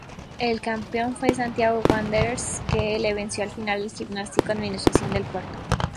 El campeón fue Santiago Wanderers, que venció en la final a Gimnástico-Administración del Puerto.